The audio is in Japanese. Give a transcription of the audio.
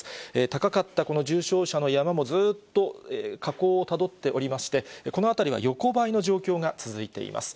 高かったこの重症者の山も、ずっと下降をたどっておりまして、このあたりは横ばいの状態が続いています。